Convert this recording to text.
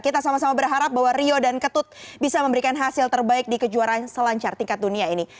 kita sama sama berharap bahwa rio dan ketut bisa memberikan hasil terbaik di kejuaraan selancar tingkat dunia ini